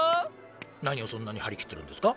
何をそんなに張り切ってるんですか？